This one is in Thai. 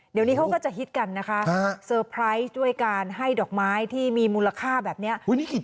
เดี๋ยวนี้เขาก็จะฮิตกันนะคะเซอร์ไพรส์ด้วยการให้ดอกไม้ที่มีมูลค่าแบบนี้